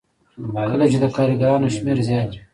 کله چې د کارګرانو شمېر زیات وي